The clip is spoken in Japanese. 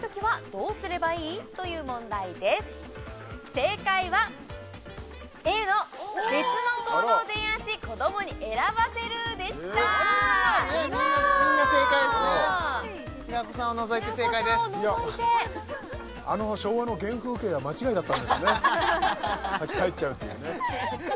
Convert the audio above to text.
正解はＡの別の行動を提案し子どもに選ばせるでしたわやったこれはまあねみんな正解ですね平子さんを除いて正解です平子さんを除いてあの昭和の原風景は間違いだったんですね先帰っちゃうっていうね